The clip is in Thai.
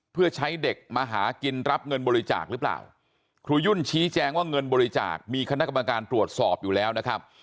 เพื่อใช้เด็กมาหากินรับเงินบริจาคหรือเปล่าครูยุ่นชี้แจงว่าเงินบริจาคมีคณะกรรมการตรวจสอบอยู่แล้วนะครับ